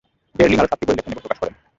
ডের লিং আরও সাতটি বই লেখেন এবং প্রকাশ করেন।